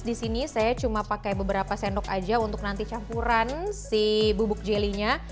di sini saya cuma pakai beberapa sendok aja untuk nanti campuran si bubuk jelinya